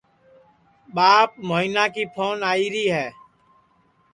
ٻاپ موہینا کی پھون آئیرا ہے